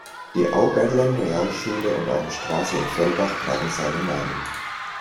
Die Auberlen-Realschule und eine Straße in Fellbach tragen seinen Namen.